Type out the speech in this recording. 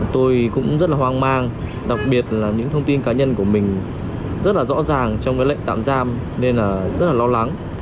tôi cũng rất là hoang mang đặc biệt là những thông tin cá nhân của mình rất là rõ ràng trong cái lệnh tạm giam nên là rất là lo lắng